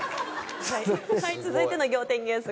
続いての仰天ニュース